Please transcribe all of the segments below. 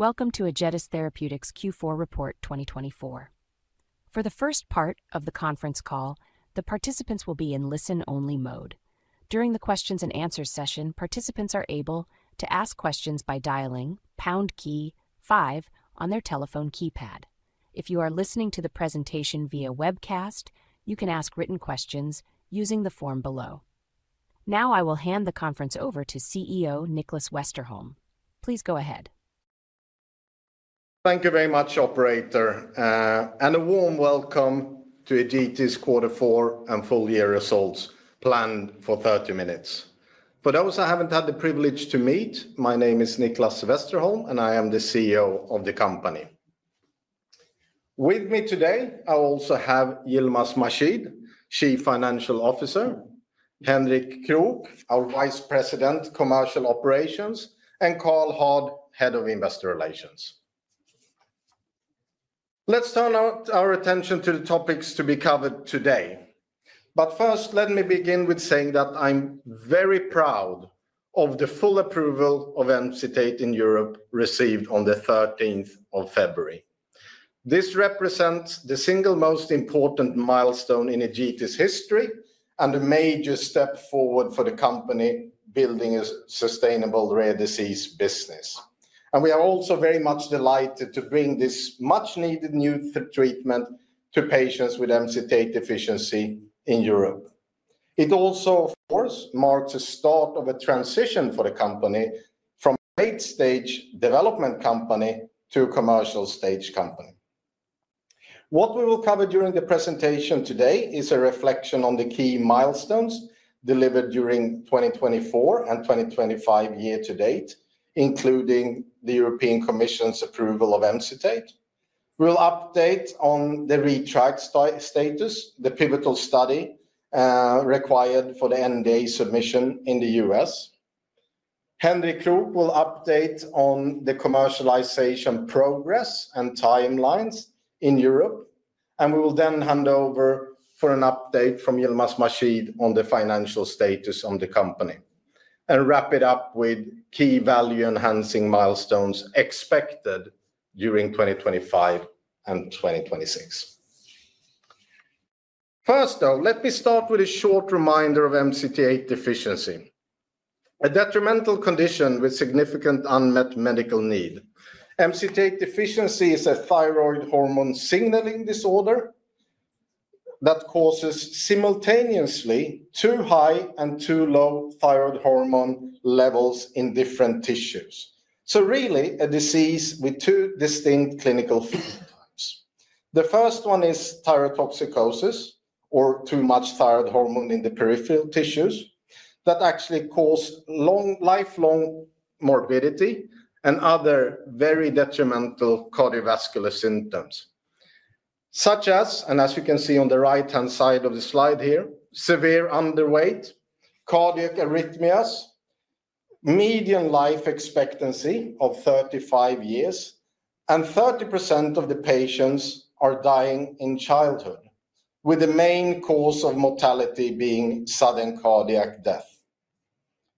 Welcome to Egetis Therapeutics Q4 report 2024. For the first part of the conference call, the participants will be in listen-only mode. During the questions-and-answers session, participants are able to ask questions by dialing pound key 5 on their telephone keypad. If you are listening to the presentation via webcast, you can ask written questions using the form below. Now I will hand the conference over to CEO Nicklas Westerholm. Please go ahead. Thank you very much, Operator, and a warm welcome to Egetis Q4 and full-year results planned for 30 minutes. For those I have not had the privilege to meet, my name is Nicklas Westerholm, and I am the CEO of the company. With me today, I also have Yilmaz Mahshid, Chief Financial Officer; Henrik Krook, our Vice President, Commercial Operations; and Karl Hård, Head of Investor Relations. Let's turn our attention to the topics to be covered today. First, let me begin with saying that I am very proud of the full approval of Emcitate in Europe received on the 13th of February. This represents the single most important milestone in Egetis' history and a major step forward for the company building a sustainable rare disease business. We are also very much delighted to bring this much-needed new treatment to patients with MCT8 deficiency in Europe. It also, of course, marks a start of a transition for the company from late-stage development company to commercial-stage company. What we will cover during the presentation today is a reflection on the key milestones delivered during 2024 and 2025 year-to-date, including the European Commission's approval of Emcitate. We'll update on the ReTRIACt status, the pivotal study required for the NDA submission in the U.S. Henrik Krook will update on the commercialization progress and timelines in Europe, and we will then hand over for an update from Yilmaz Mahshid on the financial status of the company and wrap it up with key value-enhancing milestones expected during 2025 and 2026. First, though, let me start with a short reminder of MCT8 deficiency, a detrimental condition with significant unmet medical need. MCT8 deficiency is a thyroid hormone signaling disorder that causes simultaneously too high and too low thyroid hormone levels in different tissues. Really, a disease with two distinct clinical phenotypes. The first one is thyrotoxicosis, or too much thyroid hormone in the peripheral tissues, that actually causes lifelong morbidity and other very detrimental cardiovascular symptoms, such as, and as you can see on the right-hand side of the slide here, severe underweight, cardiac arrhythmias, median life expectancy of 35 years, and 30% of the patients are dying in childhood, with the main cause of mortality being sudden cardiac death.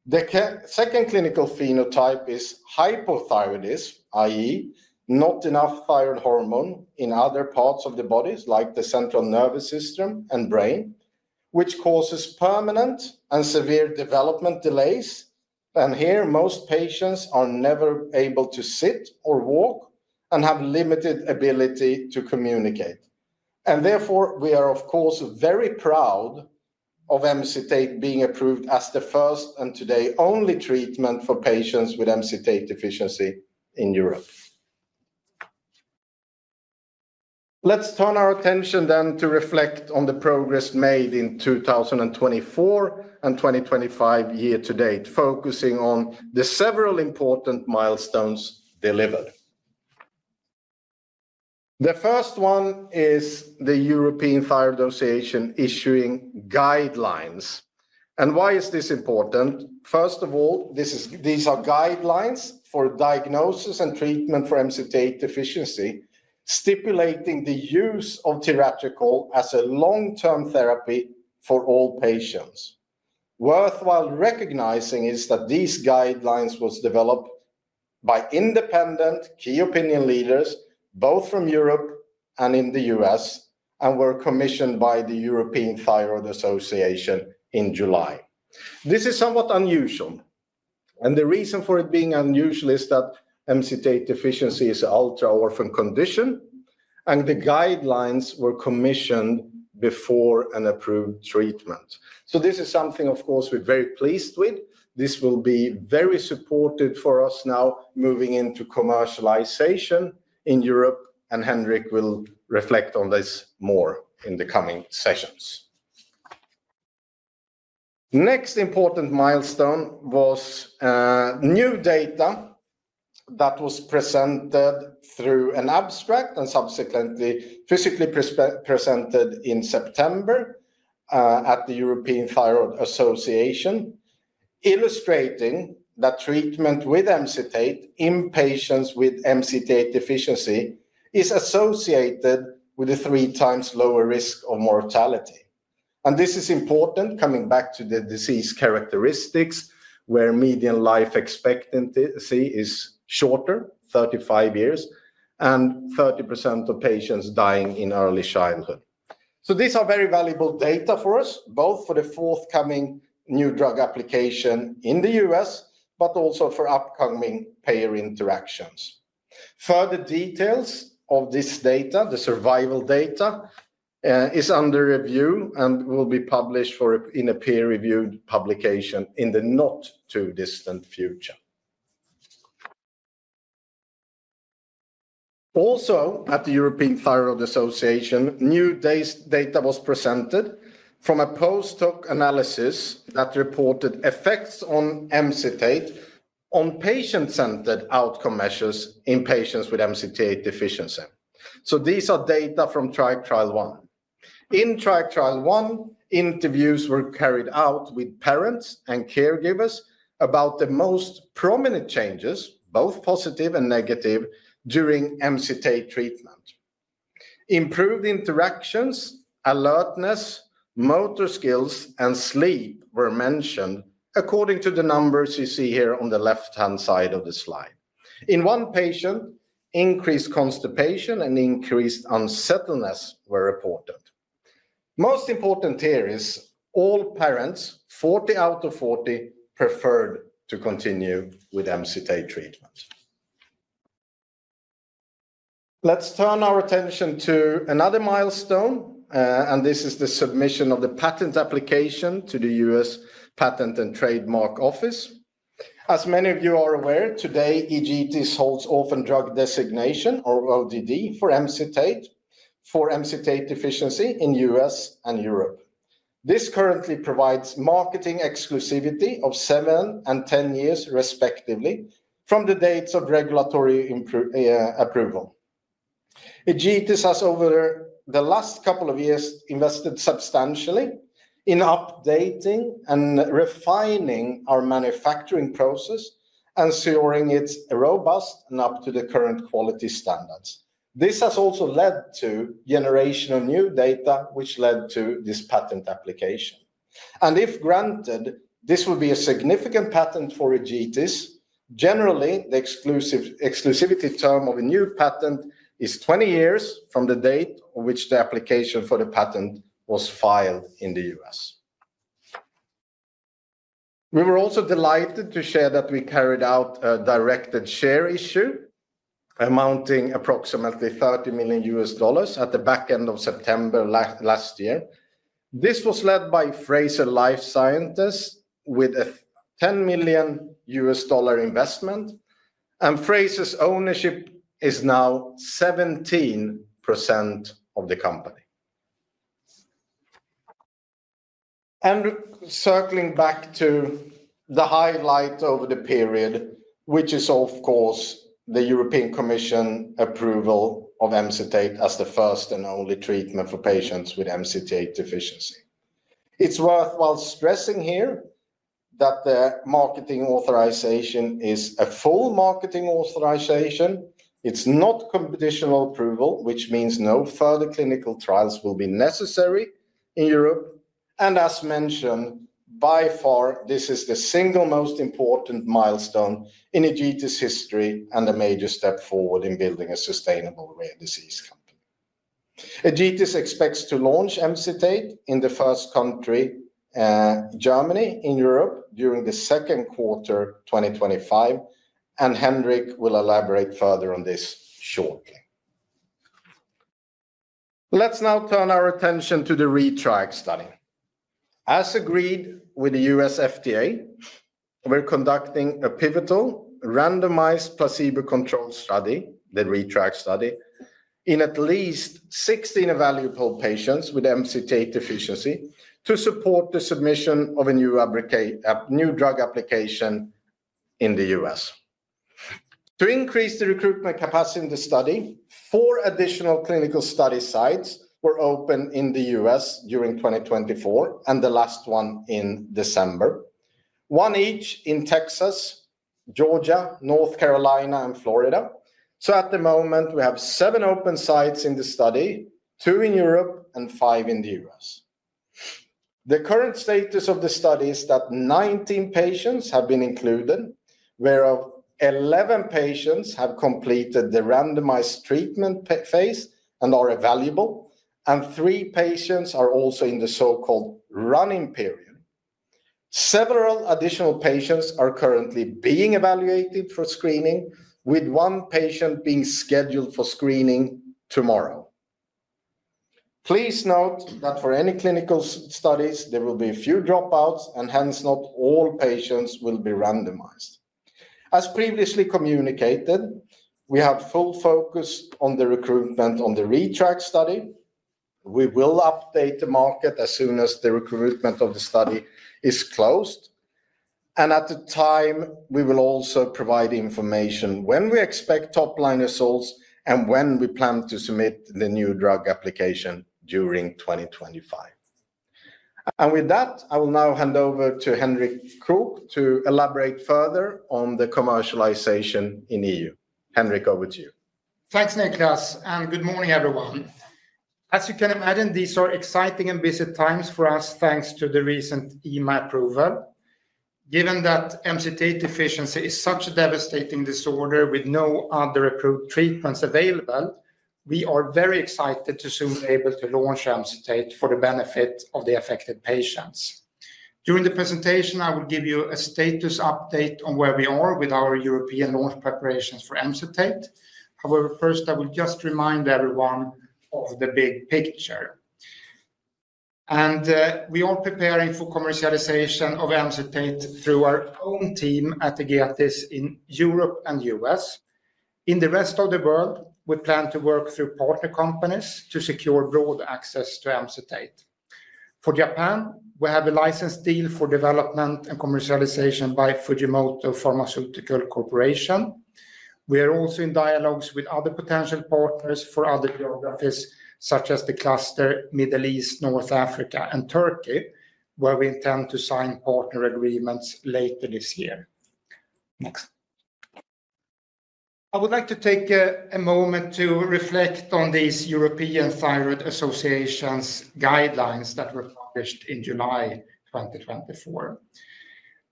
The second clinical phenotype is hypothyroidism, i.e., not enough thyroid hormone in other parts of the body, like the central nervous system and brain, which causes permanent and severe developmental delays. Here, most patients are never able to sit or walk and have limited ability to communicate. Therefore, we are, of course, very proud of Emcitate being approved as the first and today only treatment for patients with MCT8 deficiency in Europe. Let's turn our attention then to reflect on the progress made in 2024 and 2025 year-to-date, focusing on the several important milestones delivered. The first one is the European Thyroid Association issuing guidelines. Why is this important? First of all, these are guidelines for diagnosis and treatment for MCT8 deficiency, stipulating the use of tiratricol as a long-term therapy for all patients. Worthwhile recognizing is that these guidelines were developed by independent key opinion leaders, both from Europe and in the U.S., and were commissioned by the European Thyroid Association in July. This is somewhat unusual. The reason for it being unusual is that MCT8 deficiency is an ultra-orphan condition, and the guidelines were commissioned before an approved treatment. This is something, of course, we're very pleased with. This will be very supportive for us now moving into commercialization in Europe, and Henrik will reflect on this more in the coming sessions. The next important milestone was new data that was presented through an abstract and subsequently physically presented in September at the European Thyroid Association, illustrating that treatment with Emcitate in patients with MCT8 deficiency is associated with a three times lower risk of mortality. This is important, coming back to the disease characteristics, where median life expectancy is shorter, 35 years, and 30% of patients dying in early childhood. These are very valuable data for us, both for the forthcoming New Drug Application in the U.S., but also for upcoming payer interactions. Further details of this data, the survival data, is under review and will be published in a peer-reviewed publication in the not too distant future. Also, at the European Thyroid Association, new data was presented from a post-hoc analysis that reported effects of Emcitate on patient-centered outcome measures in patients with MCT8 deficiency. These are data from Triac Trial I. In Triac Trial I, interviews were carried out with parents and caregivers about the most prominent changes, both positive and negative, during Emcitate treatment. Improved interactions, alertness, motor skills, and sleep were mentioned, according to the numbers you see here on the left-hand side of the slide. In one patient, increased constipation and increased unsettledness were reported. Most important here is all parents, 40 out of 40, preferred to continue with Emcitate treatment. Let's turn our attention to another milestone, and this is the submission of the patent application to the U.S. Patent and Trademark Office. As many of you are aware, today, Egetis holds Orphan Drug Designation, or ODD, for Emcitate for MCT8 deficiency in the U.S. and Europe. This currently provides marketing exclusivity of seven and ten years, respectively, from the dates of regulatory approval. Egetis has, over the last couple of years, invested substantially in updating and refining our manufacturing process, ensuring it's robust and up to the current quality standards. This has also led to generation of new data, which led to this patent application. If granted, this would be a significant patent for Egetis. Generally, the exclusivity term of a new patent is 20 years from the date on which the application for the patent was filed in the U.S. We were also delighted to share that we carried out a directed share issue amounting to approximately $30 million at the back end of September last year. This was led by Frazier Life Sciences with a $10 million investment, and Frazier's ownership is now 17% of the company. Circling back to the highlight over the period, which is, of course, the European Commission approval of Emcitate as the first and only treatment for patients with MCT8 deficiency. It is worthwhile stressing here that the marketing authorization is a full marketing authorization. It is not conditional approval, which means no further clinical trials will be necessary in Europe. As mentioned, by far, this is the single most important milestone in Egetis' history and a major step forward in building a sustainable rare disease company. Egetis expects to launch Emcitate in the first country, Germany, in Europe during the second quarter 2025, and Henrik will elaborate further on this shortly. Let's now turn our attention to the ReTRIACt study. As agreed with the U.S. FDA, we're conducting a pivotal randomized placebo-controlled study, the ReTRIACt study, in at least 16 evaluable patients with MCT8 deficiency to support the submission of a new drug application in the U.S. To increase the recruitment capacity in the study, four additional clinical study sites were opened in the U.S. during 2024, and the last one in December, one each in Texas, Georgia, North Carolina, and Florida. At the moment, we have seven open sites in the study, two in Europe, and five in the U.S. The current status of the study is that 19 patients have been included, whereof 11 patients have completed the randomized treatment phase and are evaluable, and three patients are also in the so-called running period. Several additional patients are currently being evaluated for screening, with one patient being scheduled for screening tomorrow. Please note that for any clinical studies, there will be a few dropouts, and hence not all patients will be randomized. As previously communicated, we have full focus on the recruitment on the ReTRIACt study. We will update the market as soon as the recruitment of the study is closed. At that time, we will also provide information when we expect top-line results and when we plan to submit the New Drug Application during 2025. With that, I will now hand over to Henrik Krook to elaborate further on the commercialization in E.U. Henrik, over to you. Thanks, Nicklas, and good morning, everyone. As you can imagine, these are exciting and busy times for us, thanks to the recent EMA approval. Given that MCT8 deficiency is such a devastating disorder with no other approved treatments available, we are very excited to soon be able to launch Emcitate for the benefit of the affected patients. During the presentation, I will give you a status update on where we are with our European launch preparations for Emcitate. However, first, I will just remind everyone of the big picture. We are preparing for commercialization of Emcitate through our own team at Egetis in Europe and the United States. In the rest of the world, we plan to work through partner companies to secure broad access to Emcitate. For Japan, we have a license deal for development and commercialization by Fujimoto Pharmaceutical Corporation. We are also in dialogues with other potential partners for other geographies, such as the cluster Middle East, North Africa, and Turkey, where we intend to sign partner agreements later this year. Next, I would like to take a moment to reflect on these European Thyroid Association guidelines that were published in July 2024.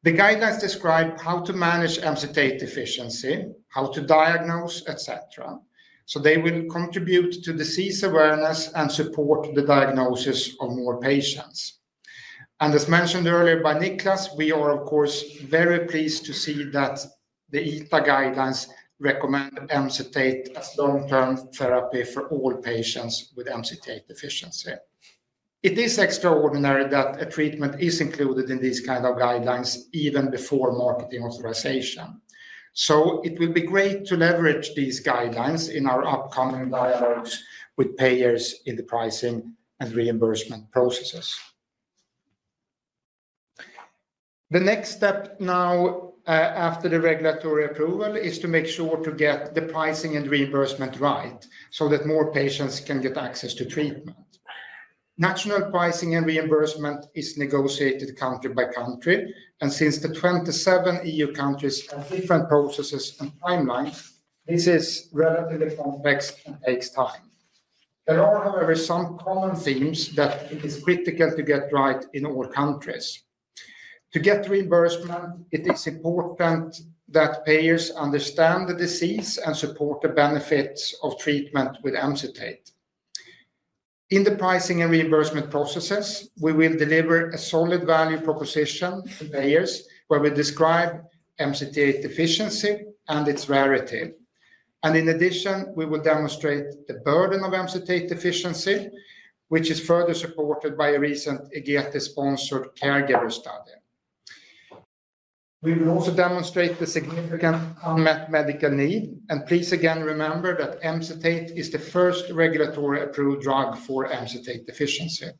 The guidelines describe how to manage MCT8 deficiency, how to diagnose, et cetera. They will contribute to disease awareness and support the diagnosis of more patients. As mentioned earlier by Nicklas, we are, of course, very pleased to see that the ETA guidelines recommend Emcitate as long-term therapy for all patients with MCT8 deficiency. It is extraordinary that a treatment is included in these kinds of guidelines even before marketing authorization. It will be great to leverage these guidelines in our upcoming dialogues with payers in the pricing and reimbursement processes. The next step now, after the regulatory approval, is to make sure to get the pricing and reimbursement right so that more patients can get access to treatment. National pricing and reimbursement is negotiated country by country, and since the 27 E.U. countries have different processes and timelines, this is relatively complex and takes time. There are, however, some common themes that it is critical to get right in all countries. To get reimbursement, it is important that payers understand the disease and support the benefits of treatment with Emcitate. In the pricing and reimbursement processes, we will deliver a solid value proposition to payers where we describe Emcitate efficacy and its rarity. In addition, we will demonstrate the burden of MCT8 deficiency, which is further supported by a recent Egetis-sponsored caregiver study. We will also demonstrate the significant unmet medical need, and please again remember that Emcitate is the first regulatory-approved drug for MCT8 deficiency.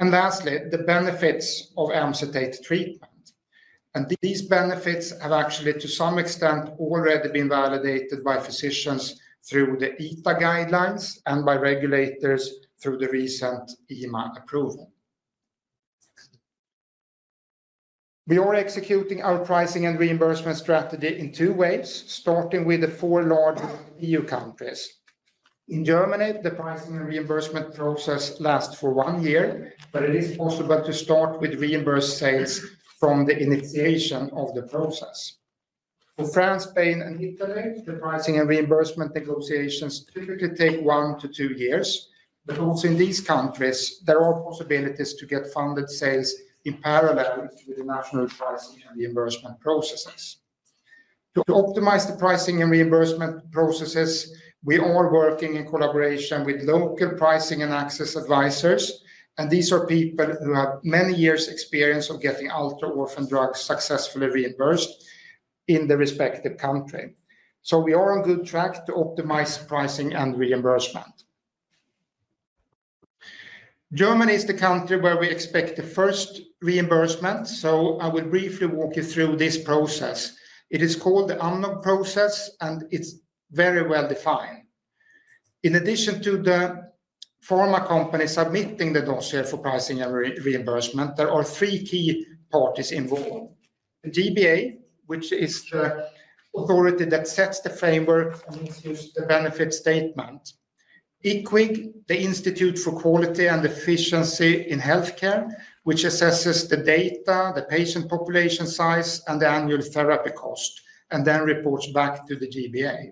Lastly, the benefits of Emcitate treatment. These benefits have actually, to some extent, already been validated by physicians through the European Thyroid Association guidelines and by regulators through the recent EMA approval. We are executing our pricing and reimbursement strategy in two ways, starting with the four larger E.U. countries. In Germany, the pricing and reimbursement process lasts for one year, but it is possible to start with reimbursed sales from the initiation of the process. For France, Spain, and Italy, the pricing and reimbursement negotiations typically take one to two years, but also in these countries, there are possibilities to get funded sales in parallel with the national pricing and reimbursement processes. To optimize the pricing and reimbursement processes, we are working in collaboration with local pricing and access advisors, and these are people who have many years' experience of getting ultra-orphan drugs successfully reimbursed in the respective country. We are on good track to optimize pricing and reimbursement. Germany is the country where we expect the first reimbursement, so I will briefly walk you through this process. It is called the AMNOG process, and it's very well defined. In addition to the pharma company submitting the dossier for pricing and reimbursement, there are three key parties involved: G-BA, which is the authority that sets the framework and issues the benefit statement; IQWiG, the Institute for Quality and Efficiency in Healthcare, which assesses the data, the patient population size, and the annual therapy cost, and then reports back to the G-BA;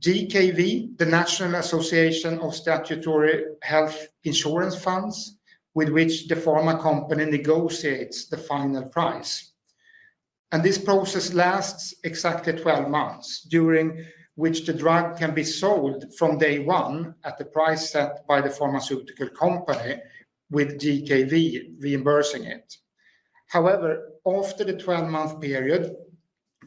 GKV, the National Association of Statutory Health Insurance Funds, with which the pharma company negotiates the final price. This process lasts exactly 12 months, during which the drug can be sold from day one at the price set by the pharmaceutical company, with GKV reimbursing it. However, after the 12-month period,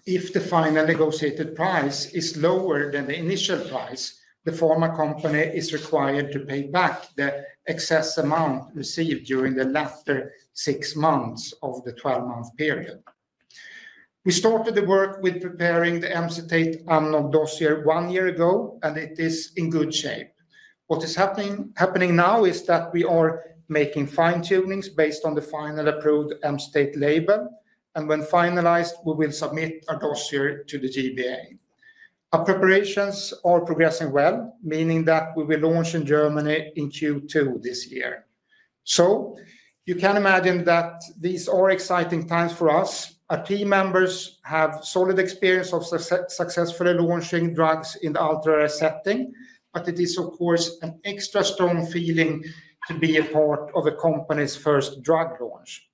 if the final negotiated price is lower than the initial price, the pharma company is required to pay back the excess amount received during the latter six months of the 12-month period. We started the work with preparing the Emcitate AMNOG dossier one year ago, and it is in good shape. What is happening now is that we are making fine-tunings based on the final approved Emcitate label, and when finalized, we will submit our dossier to the G-BA. Our preparations are progressing well, meaning that we will launch in Germany in Q2 this year. You can imagine that these are exciting times for us. Our team members have solid experience of successfully launching drugs in the ultra-rare setting, but it is, of course, an extra strong feeling to be a part of a company's first drug launch.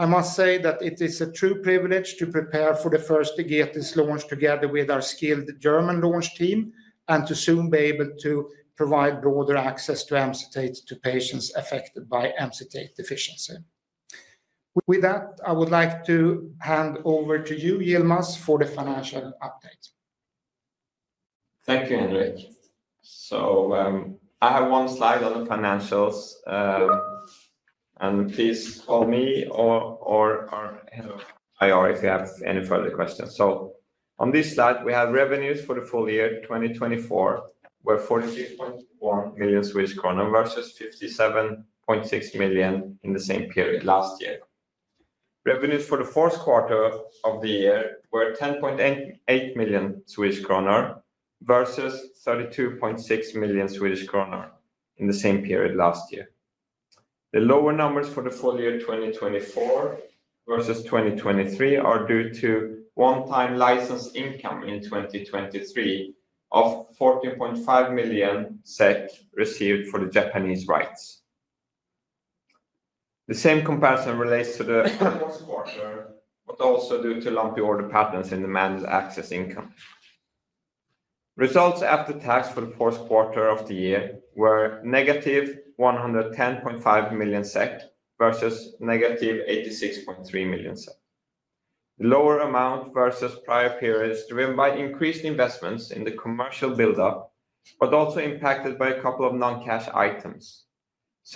I must say that it is a true privilege to prepare for the first Egetis launch together with our skilled German launch team and to soon be able to provide broader access to Emcitate to patients affected by MCT8 deficiency. With that, I would like to hand over to you, Yilmaz, for the financial update. Thank you, Henrik. I have one slide on the financials, and please call me or IR if you have any further questions. On this slide, we have revenues for the full year 2024, where 43.1 million kronor versus 57.6 million kronor in the same period last year. Revenues for the fourth quarter of the year were 10.8 million Swedish kronor versus 32.6 million Swedish kronor in the same period last year. The lower numbers for the full year 2024 versus 2023 are due to one-time license income in 2023 of 14.5 million SEK received for the Japanese rights. The same comparison relates to the fourth quarter, but also due to lumpy order patterns in Managed Access Program income. Results after tax for the fourth quarter of the year were negative 110.5 million SEK versus negative 86.3 million SEK. The lower amount versus prior period is driven by increased investments in the commercial buildup, but also impacted by a couple of non-cash items,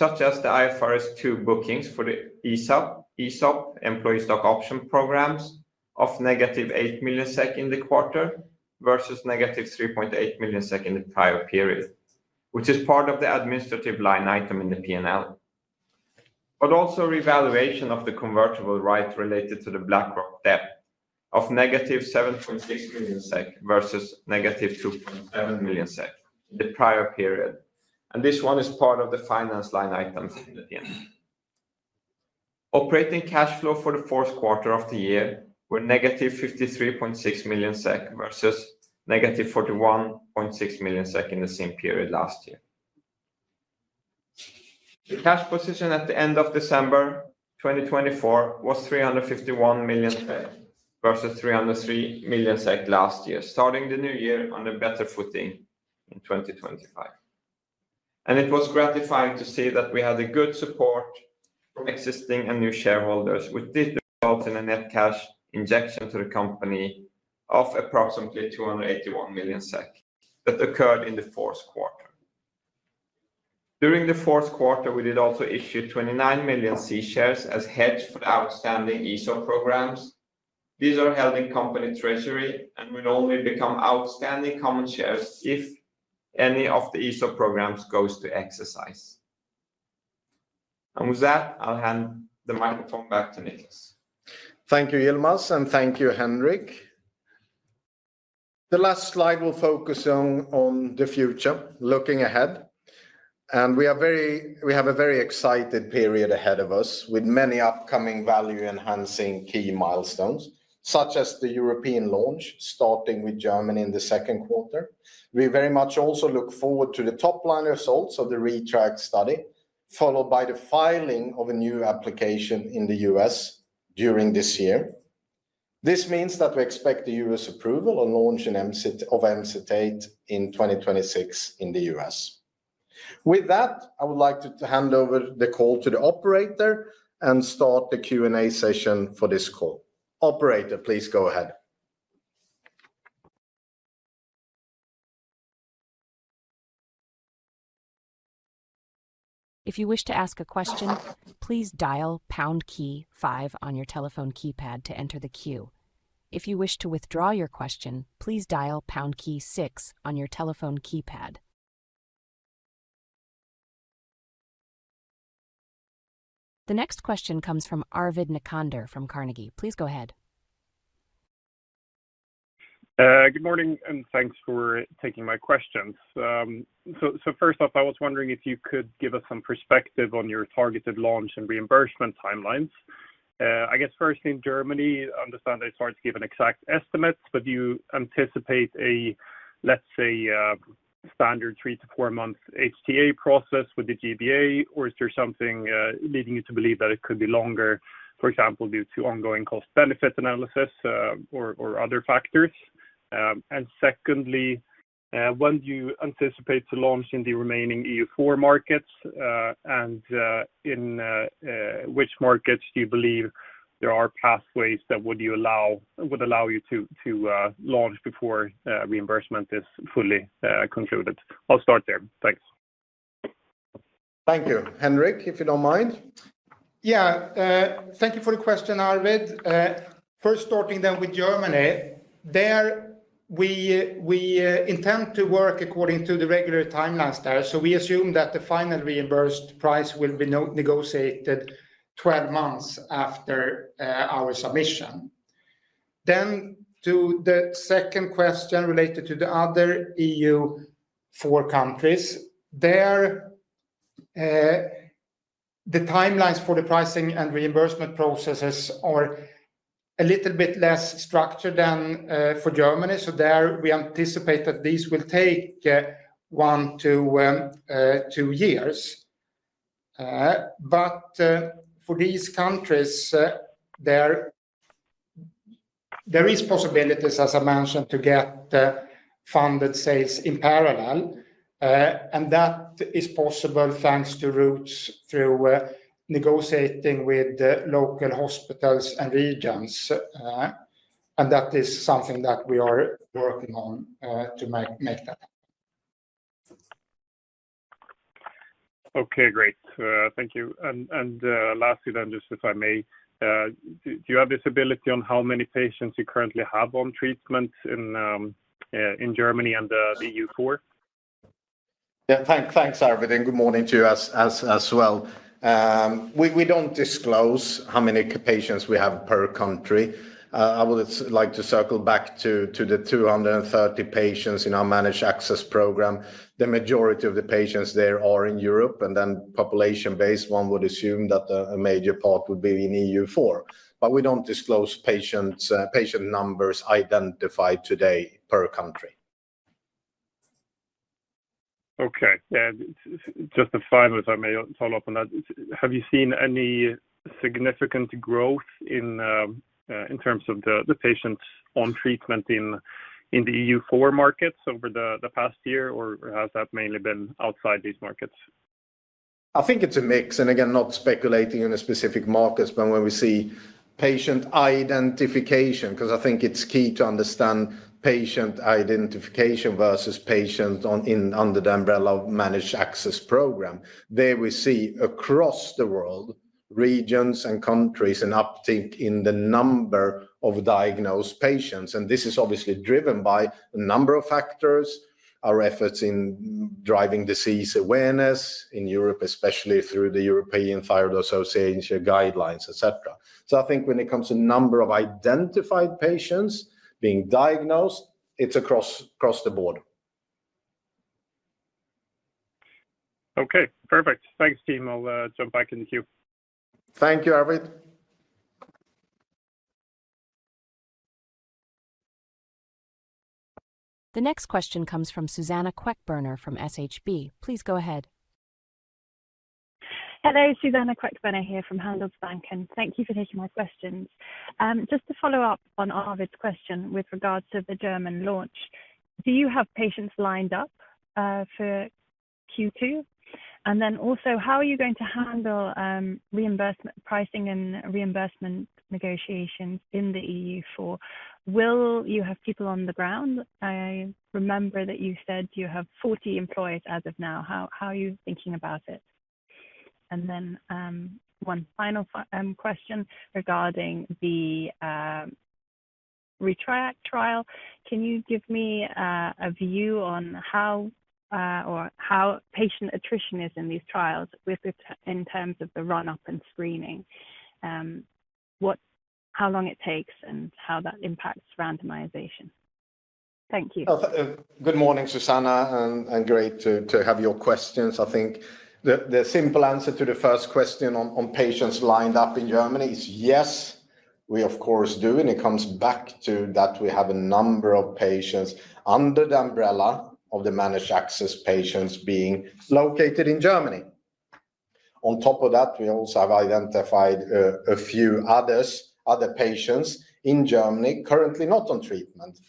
such as the IFRS 2 bookings for the ESOP employee stock option programs of negative 8 million SEK in the quarter versus negative 3.8 million SEK in the prior period, which is part of the administrative line item in the P&L. Also, revaluation of the convertible right related to the BlackRock debt of negative 7.6 million SEK versus negative 2.7 million SEK in the prior period. This one is part of the finance line items in the end. Operating cash flow for the fourth quarter of the year were negative 53.6 million SEK versus negative 41.6 million SEK in the same period last year. The cash position at the end of December 2024 was 351 million versus 303 million last year, starting the new year on a better footing in 2025. It was gratifying to see that we had good support from existing and new shareholders, which did result in a net cash injection to the company of approximately 281 million SEK that occurred in the fourth quarter. During the fourth quarter, we did also issue 29 million C shares as hedge for the outstanding ESOP programs. These are held in company treasury and will only become outstanding common shares if any of the ESOP programs goes to exercise. With that, I'll hand the microphone back to Nicklas. Thank you, Yilmaz, and thank you, Henrik. The last slide will focus on the future, looking ahead. We have a very excited period ahead of us with many upcoming value-enhancing key milestones, such as the European launch starting with Germany in the second quarter. We very much also look forward to the top-line results of the ReTRIACt study, followed by the filing of a new application in the U.S. during this year. This means that we expect the U.S. approval and launch of Emcitate in 2026 in the U.S. With that, I would like to hand over the call to the operator and start the Q&A session for this call. Operator, please go ahead. If you wish to ask a question, please dial pound key 5 on your telephone keypad to enter the queue. If you wish to withdraw your question, please dial pound key 6 on your telephone keypad. The next question comes from Arvid Necander from Carnegie. Please go ahead. Good morning, and thanks for taking my questions. First off, I was wondering if you could give us some perspective on your targeted launch and reimbursement timelines. I guess first, in Germany, I understand it's hard to give an exact estimate, but do you anticipate a, let's say, standard three to four-month HTA process with the G-BA, or is there something leading you to believe that it could be longer, for example, due to ongoing cost-benefit analysis or other factors? Secondly, when do you anticipate launching the remaining EU4 markets, and in which markets do you believe there are pathways that would allow you to launch before reimbursement is fully concluded? I'll start there. Thanks. Thank you. Henrik, if you don't mind. Yeah, thank you for the question, Arvid. First, starting then with Germany, there we intend to work according to the regular timelines there. We assume that the final reimbursed price will be negotiated 12 months after our submission. To the second question related to the other EU4 countries, the timelines for the pricing and reimbursement processes are a little bit less structured than for Germany. We anticipate that these will take one to two years. For these countries, there are possibilities, as I mentioned, to get funded sales in parallel. That is possible thanks to routes through negotiating with local hospitals and regions. That is something that we are working on to make that happen. Okay, great. Thank you. Lastly, just if I may, do you have visibility on how many patients you currently have on treatment in Germany and the EU4? Yeah, thanks, Arvid. Good morning to you as well. We do not disclose how many patients we have per country. I would like to circle back to the 230 patients in our Managed Access Program. The majority of the patients there are in Europe, and then population-based, one would assume that a major part would be in EU4. We do not disclose patient numbers identified today per country. Okay. Just to finish, if I may follow up on that, have you seen any significant growth in terms of the patients on treatment in the EU4 markets over the past year, or has that mainly been outside these markets? I think it is a mix. Not speculating on a specific market, but when we see patient identification, because I think it is key to understand patient identification versus patients under the umbrella of Managed Access Program, there we see across the world, regions and countries an uptick in the number of diagnosed patients. This is obviously driven by a number of factors, our efforts in driving disease awareness in Europe, especially through the European Thyroid Association guidelines, etc. I think when it comes to number of identified patients being diagnosed, it's across the board. Okay, perfect. Thanks, team. I'll jump back in the queue. Thank you, Arvid. The next question comes from Suzanna Queckbörner from SHB. Please go ahead. Hello, Suzanna Queckbörner here from Handelsbanken. Thank you for taking my questions. Just to follow up on Arvid's question with regard to the German launch, do you have patients lined up for Q2? Also, how are you going to handle pricing and reimbursement negotiations in the EU4? Will you have people on the ground? I remember that you said you have 40 employees as of now. How are you thinking about it? One final question regarding the ReTRIACt trial. Can you give me a view on how patient attrition is in these trials in terms of the run-up and screening, how long it takes, and how that impacts randomization? Thank you. Good morning, Suzanna, and great to have your questions. I think the simple answer to the first question on patients lined up in Germany is yes, we of course do. It comes back to that we have a number of patients under the umbrella of the managed access patients being located in Germany. On top of that, we also have identified a few other patients in Germany currently not on treatment.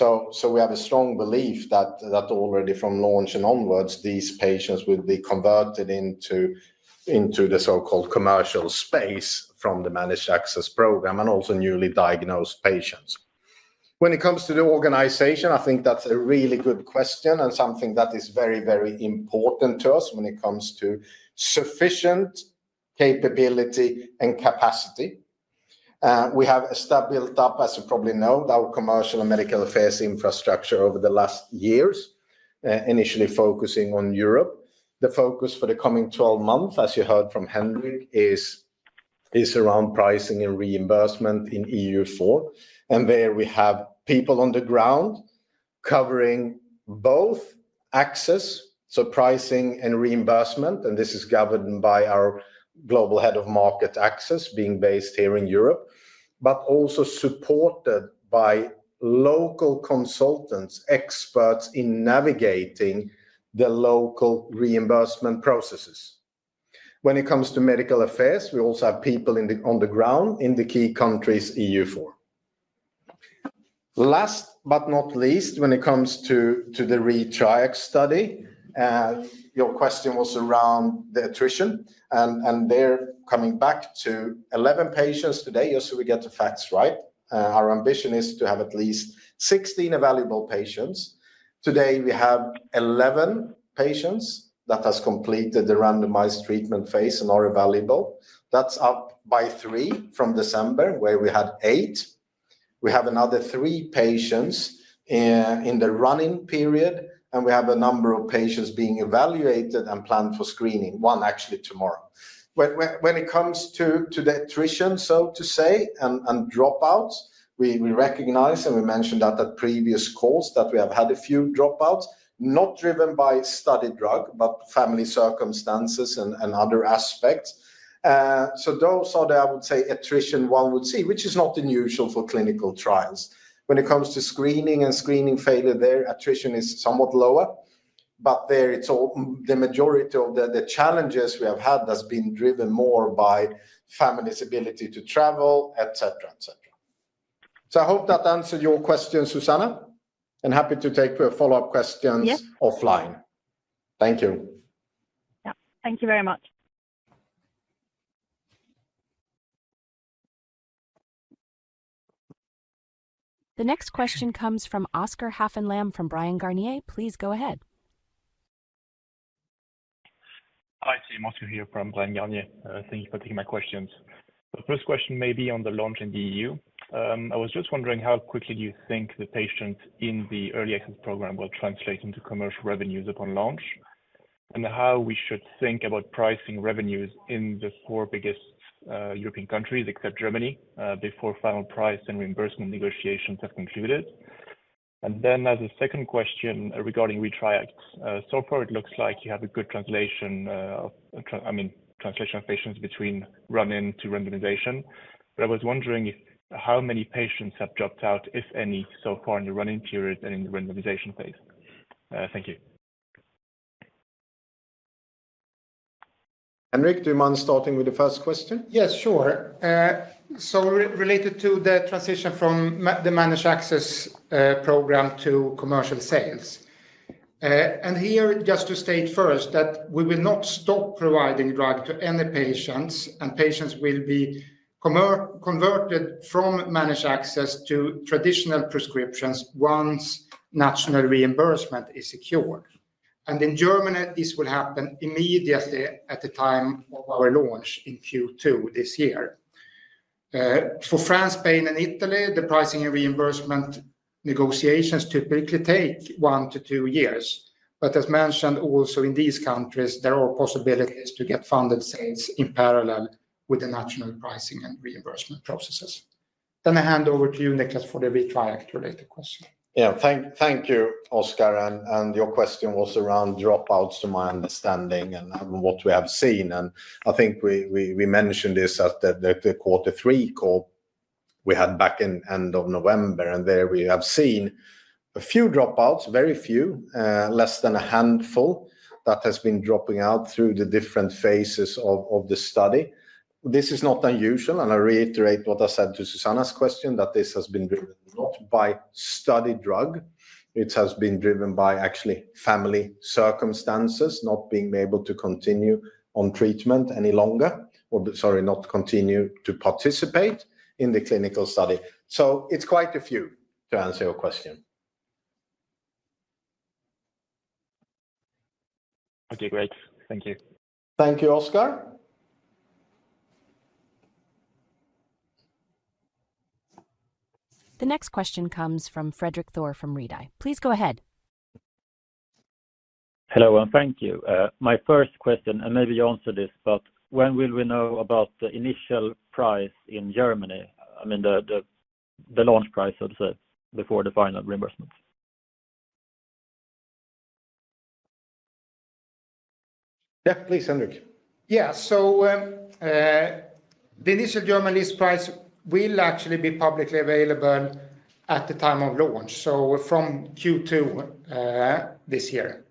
We have a strong belief that already from launch and onwards, these patients will be converted into the so-called commercial space from the managed access program and also newly diagnosed patients. When it comes to the organization, I think that's a really good question and something that is very, very important to us when it comes to sufficient capability and capacity. We have a staff built up, as you probably know, our commercial and medical affairs infrastructure over the last years, initially focusing on Europe. The focus for the coming 12 months, as you heard from Henrik, is around pricing and reimbursement in EU4. There we have people on the ground covering both access, so pricing and reimbursement, and this is governed by our global head of market access being based here in Europe, but also supported by local consultants, experts in navigating the local reimbursement processes. When it comes to medical affairs, we also have people on the ground in the key countries EU4. Last but not least, when it comes to the ReTRIACt study, your question was around the attrition, and they're coming back to 11 patients today just so we get the facts right. Our ambition is to have at least 16 available patients. Today, we have 11 patients that have completed the randomized treatment phase and are available. That's up by three from December, where we had eight. We have another three patients in the running period, and we have a number of patients being evaluated and planned for screening, one actually tomorrow. When it comes to the attrition, so to say, and dropouts, we recognize and we mentioned that at previous calls that we have had a few dropouts, not driven by study drug, but family circumstances and other aspects. Those are the, I would say, attrition one would see, which is not unusual for clinical trials. When it comes to screening and screening failure, their attrition is somewhat lower, but there it's the majority of the challenges we have had has been driven more by family's ability to travel, etc., etc. I hope that answered your question, Suzanna, and happy to take a follow-up question offline. Thank you. Thank you very much. The next question comes from Oscar Haffen Lamm from Bryan Garnier. Please go ahead. Hi, team. Also here from Bryan Garnier. Thank you for taking my questions. The first question may be on the launch in the EU. I was just wondering how quickly do you think the patients in the early access program will translate into commercial revenues upon launch and how we should think about pricing revenues in the four biggest European countries except Germany before final price and reimbursement negotiations have concluded. Then as a second question regarding ReTRIACt, so far it looks like you have a good translation of, I mean, translation of patients between run-in to randomization. I was wondering how many patients have dropped out, if any, so far in the run-in period and in the randomization phase. Thank you. Henrik, do you mind starting with the first question? Yes, sure. Related to the transition from the Managed Access Program to commercial sales. Here, just to state first that we will not stop providing drug to any patients, and patients will be converted from managed access to traditional prescriptions once national reimbursement is secured. In Germany, this will happen immediately at the time of our launch in Q2 this year. For France, Spain, and Italy, the pricing and reimbursement negotiations typically take one to two years. As mentioned, also in these countries, there are possibilities to get funded sales in parallel with the national pricing and reimbursement processes. I hand over to you, Nicklas, for the ReTRIACt-related question. Yeah, thank you, Oscar. Your question was around dropouts, to my understanding, and what we have seen. I think we mentioned this at the quarter three call we had back in end of November, and there we have seen a few dropouts, very few, less than a handful that has been dropping out through the different phases of the study. This is not unusual, and I reiterate what I said to Suzanna's question, that this has been driven not by study drug. It has been driven by actually family circumstances not being able to continue on treatment any longer, or sorry, not continue to participate in the clinical study. It is quite a few to answer your question. Okay, great. Thank you. Thank you, Oscar. The next question comes from Fredrik Thor from Redeye. Please go ahead. Hello, and thank you. My first question, and maybe you answered this, but when will we know about the initial price in Germany? I mean, the launch price, I'd say, before the final reimbursement. Yeah, please, Henrik. Yeah, the initial German list price will actually be publicly available at the time of launch, so from Q2 this year.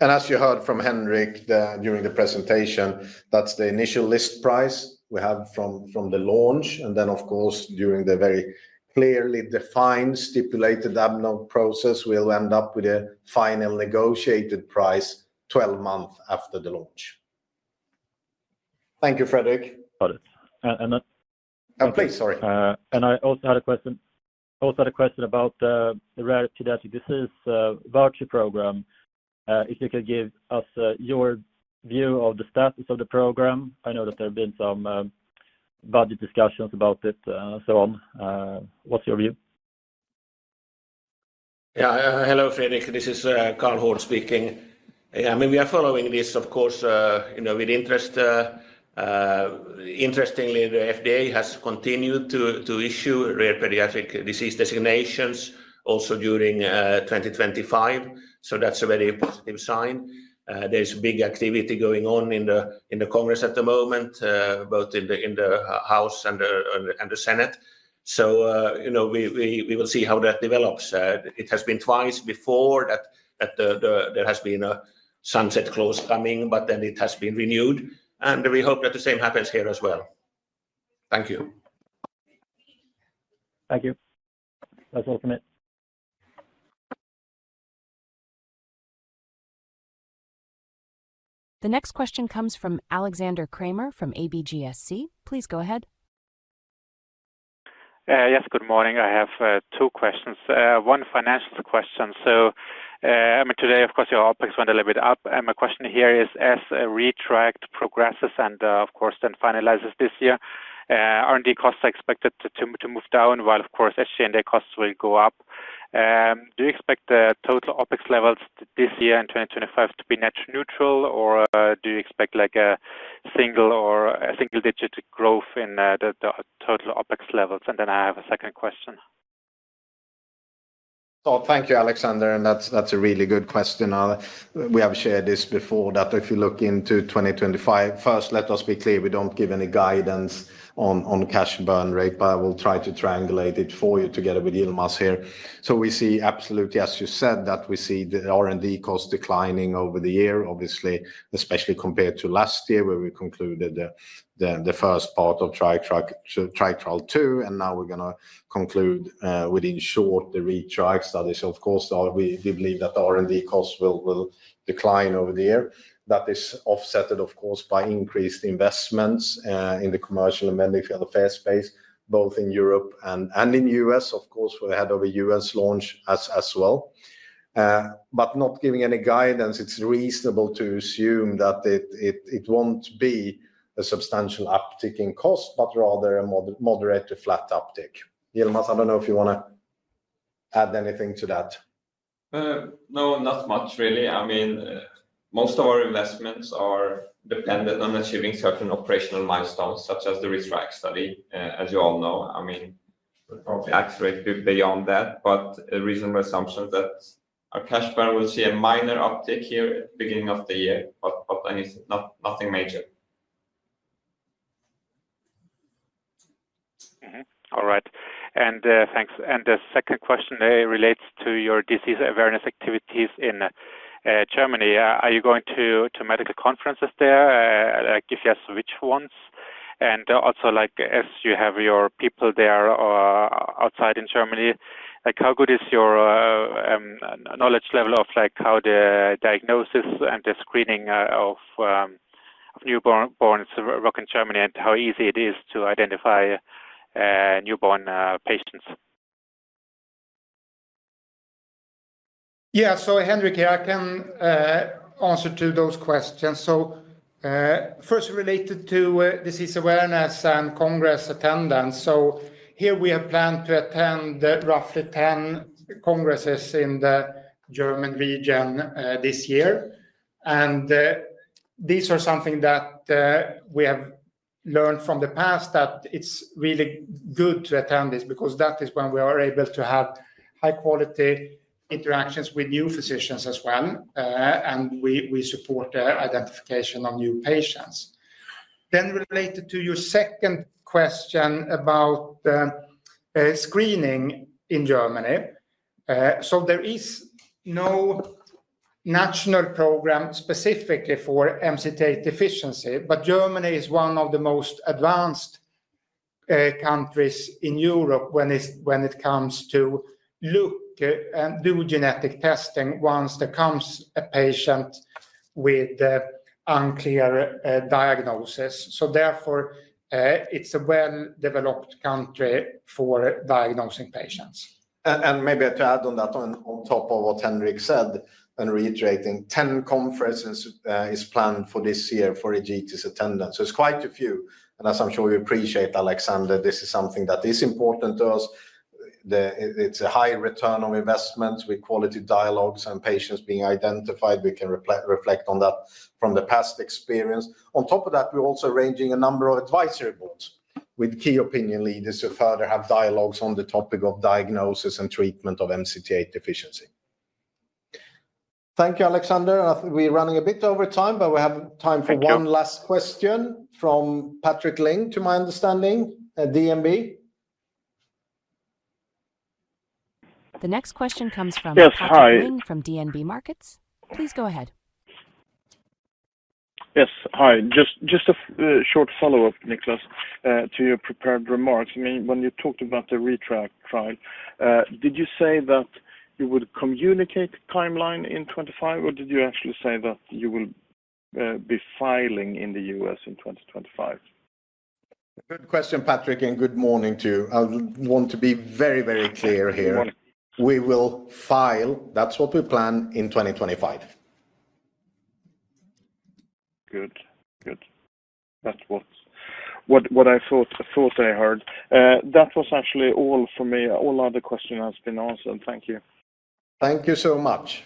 As you heard from Henrik during the presentation, that is the initial list price we have from the launch. Of course, during the very clearly defined stipulated AMNOG process, we will end up with a final negotiated price 12 months after the launch. Thank you, Frederick. Got it. Please, sorry. I also had a question. I also had a question about the rarity that this is a voucher program. If you could give us your view of the status of the program. I know that there have been some budget discussions about it and so on. What's your view? Yeah, hello, Fredrik. This is Karl Hård speaking. I mean, we are following this, of course, with interest. Interestingly, the FDA has continued to issue rare pediatric disease designations also during 2025. That is a very positive sign. There is big activity going on in the Congress at the moment, both in the House and the Senate. We will see how that develops. It has been twice before that there has been a sunset clause coming, but then it has been renewed. We hope that the same happens here as well. Thank you. Thank you. That's all from me. The next question comes from Alexander Krämer from ABGSC. Please go ahead. Yes, good morning. I have two questions. One financial question. I mean, today, of course, your OpEx went a little bit up. My question here is, as ReTRIACt progresses and, of course, then finalizes this year, are the costs expected to move down while, of course, SG&A costs will go up? Do you expect the total OpEx levels this year in 2025 to be net neutral, or do you expect a single or a single-digit growth in the total OpEx levels? I have a second question. Thank you, Alexander. That's a really good question. We have shared this before, that if you look into 2025, first, let us be clear, we don't give any guidance on cash burn rate, but I will try to triangulate it for you together with Yilmaz here. We see absolutely, as you said, that we see the R&D costs declining over the year, obviously, especially compared to last year where we concluded the first part of Triac Trial II. Now we're going to conclude within short the ReTRIACt studies. Of course, we believe that the R&D costs will decline over the year. That is offset, of course, by increased investments in the commercial and medical affairs space, both in Europe and in the U.S., of course, where we had our U.S. launch as well. Not giving any guidance, it's reasonable to assume that it won't be a substantial uptick in cost, but rather a moderate to flat uptick. Yilmaz, I don't know if you want to add anything to that. No, not much really. I mean, most of our investments are dependent on achieving certain operational milestones, such as the ReTRIACt study, as you all know. I mean, we probably accelerate beyond that, but the reasonable assumption is that our cash burn will see a minor uptick here at the beginning of the year, but nothing major. All right. Thanks. The second question relates to your disease awareness activities in Germany. Are you going to medical conferences there? If yes, which ones? Also, as you have your people there outside in Germany, how good is your knowledge level of how the diagnosis and the screening of newborns work in Germany and how easy it is to identify newborn patients? Yeah, so Henrik here, I can answer to those questions. First, related to disease awareness and Congress attendance, we have planned to attend roughly 10 congresses in the German region this year. These are something that we have learned from the past that it's really good to attend because that is when we are able to have high-quality interactions with new physicians as well. We support the identification of new patients. Related to your second question about screening in Germany, there is no national program specifically for MCT8 deficiency, but Germany is one of the most advanced countries in Europe when it comes to look and do genetic testing once there comes a patient with an unclear diagnosis. Therefore, it's a well-developed country for diagnosing patients. Maybe to add on that, on top of what Henrik said and reiterating, 10 conferences are planned for this year for Egetis attendance. It is quite a few. As I'm sure you appreciate, Alexander, this is something that is important to us. It is a high return on investments with quality dialogues and patients being identified. We can reflect on that from the past experience. On top of that, we are also arranging a number of advisory boards with key opinion leaders to further have dialogues on the topic of diagnosis and treatment of MCT8 deficiency. Thank you, Alexander. We are running a bit over time, but we have time for one last question from Patrik Ling, to my understanding, DNB. The next question comes from Patrik Ling from DNB Markets. Please go ahead. Yes, hi. Just a short follow-up, Nicklas, to your prepared remarks. I mean, when you talked about the ReTRIACt study, did you say that you would communicate a timeline in 2025, or did you actually say that you will be filing in the U.S. in 2025? Good question, Patrick, and good morning to you. I want to be very, very clear here. Good morning. We will file. That's what we plan in 2025. Good. Good. That's what I thought I heard. That was actually all for me. All other questions have been answered. Thank you. Thank you so much.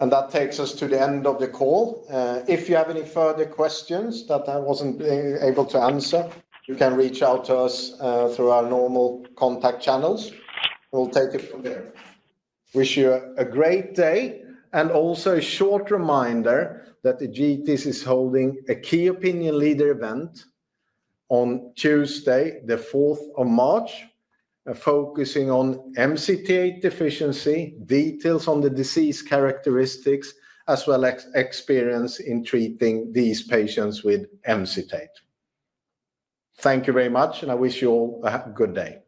That takes us to the end of the call. If you have any further questions that I was not able to answer, you can reach out to us through our normal contact channels. We'll take it from there. Wish you a great day. Also a short reminder that Egetis is holding a key opinion leader event on Tuesday, the 4th of March, focusing on MCT8 deficiency, details on the disease characteristics, as well as experience in treating these patients with MCT8. Thank you very much, and I wish you all a good day.